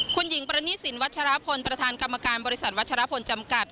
คุณหญิงปรณีสินวัชรพลประธานกรรมการบริษัทวัชรพลจำกัด